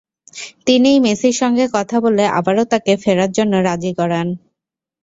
তিনিই মেসির সঙ্গে কথা বলে আবারও তাঁকে ফেরার জন্য রাজি করান।